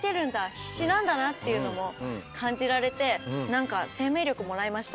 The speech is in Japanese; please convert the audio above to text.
必死なんだなっていうのも感じられて何か生命力もらいました。